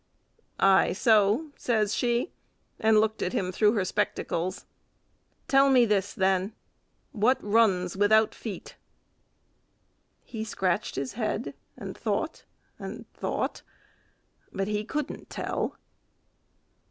"Aye so?" says she, and looked at him through her spectacles. "Tell me this then, what runs without feet?" He scratched his head, and thought, and thought, but he couldn't tell.